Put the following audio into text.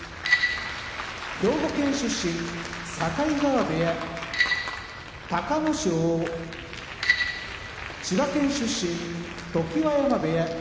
兵庫県出身境川部屋隆の勝千葉県出身常盤山部屋